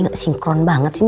gak sinkron banget sih